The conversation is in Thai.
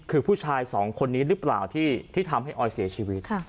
คือผู้ชายสองคนนี้หรือเปล่าที่ทำให้ออยเสียชีวิต